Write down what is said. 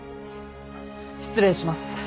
失礼します。